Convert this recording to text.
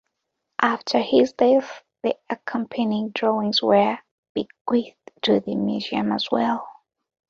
After his death, the accompanying drawings were bequeathed to the museum as well.